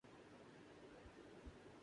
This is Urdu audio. دبئی پچ پر رنز کا ٹارگٹ کافی ہو گا ٹرینٹ بولٹ